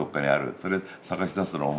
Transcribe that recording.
それ探し出すの面白い。